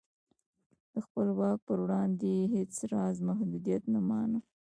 د خپل واک پر وړاندې یې هېڅ راز محدودیت نه مانه.